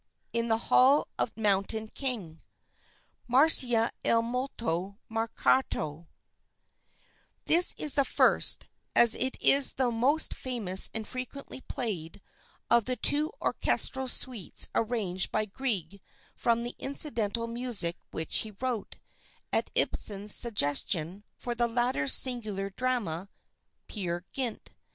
IN THE HALL OF THE MOUNTAIN KING (Marcia e molto marcato) This is the first, as it is the more famous and frequently played, of the two orchestral suites arranged by Grieg from the incidental music which he wrote, at Ibsen's suggestion, for the latter's singular drama, "Peer Gynt."